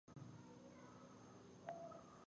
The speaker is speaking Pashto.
د کندهار ولایت د افغانستان د زرغونتیا یوه غوره نښه ده.